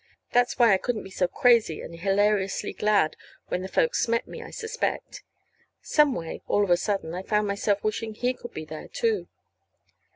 That's why I couldn't be so crazy and hilariously glad when the folks met me, I suspect. Some way, all of a sudden, I found myself wishing he could be there, too.